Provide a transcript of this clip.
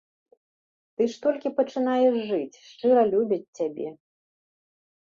Ты ж толькі пачынаеш жыць, шчыра любяць цябе.